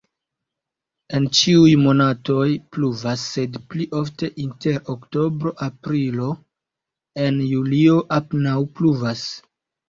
En ĉiuj monatoj pluvas, sed pli ofte inter oktobro-aprilo, en julio apenaŭ pluvas.